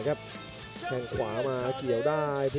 กันต่อแพทย์จินดอร์